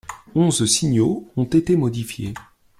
Onze signaux ont été modifiés.